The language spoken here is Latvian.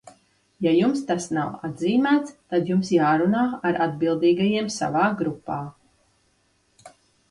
Ja jums tas nav atzīmēts, tad jums jārunā ar atbildīgajiem savā grupā.